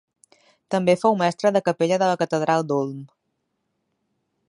També fou mestre de capella de la catedral d'Ulm.